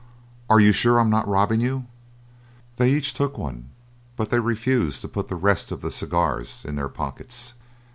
"Are you sure I am not robbing you?" They each took one, but they refused to put the rest of the cigars in their pockets.